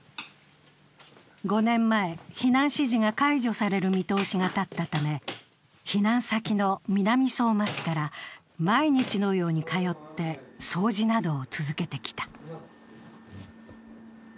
５年前、避難指示が解除される見通しが立ったため、避難先の南相馬市から毎日のように通って掃除などを続けてきた。